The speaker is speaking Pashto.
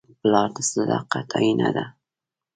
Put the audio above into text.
پلار د صداقت آیینه ده.